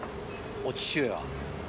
お父上は。